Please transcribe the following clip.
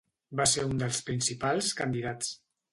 Va ser un dels principals candidats.